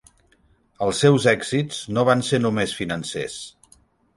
Els seus èxits no van ser només financers.